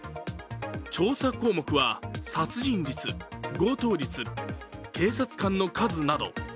調査項目は殺人率、強盗率、警察官の数など。